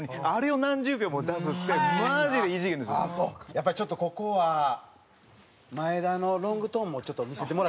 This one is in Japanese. やっぱりちょっとここは真栄田のロングトーンもちょっと見せてもらっていいですか？